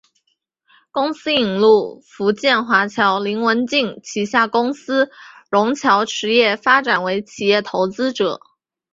公司引入福建华侨林文镜旗下公司融侨实业发展为企业投资者。